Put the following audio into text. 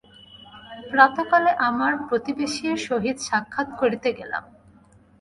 প্রাতঃকালে আমার প্রতিবেশীর সহিত সাক্ষাৎ করিতে গেলাম।